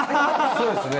そうですね